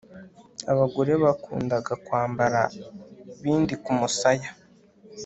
abagore bakundaga kwambara bindi kumusaya